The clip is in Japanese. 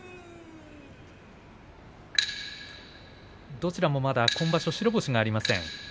どちらもまだ今場所白星がありません。